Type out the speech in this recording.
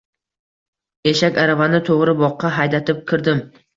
Eshak aravani to‘g‘ri boqqa haydatib kirdim.